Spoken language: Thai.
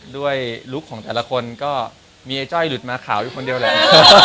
ลุคของแต่ละคนก็มีไอ้จ้อยหลุดมาขาวอยู่คนเดียวแหละ